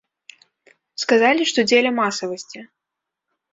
Сказалі, што дзеля масавасці.